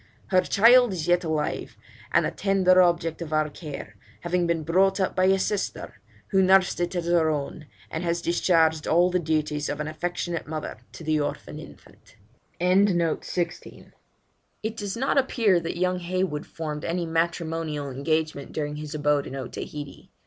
Her child is yet alive, and the tender object of our care, having been brought up by a sister, who nursed it as her own, and has discharged all the duties of an affectionate mother to the orphan infant.' It does not appear that young Heywood formed any matrimonial engagement during his abode in Otaheite.